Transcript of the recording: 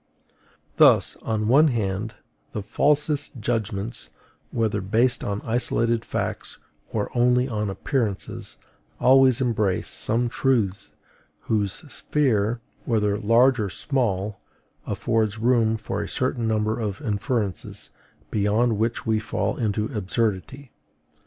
Thus, on the one hand, the falsest judgments, whether based on isolated facts or only on appearances, always embrace some truths whose sphere, whether large or small, affords room for a certain number of inferences, beyond which we fall into absurdity.